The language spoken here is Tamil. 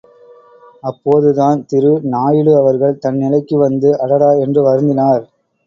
அப்போதுதான் திரு நாயுடு அவர்கள் தன்நிலைக்கு வந்து, அடடா என்று வருந்தினார்.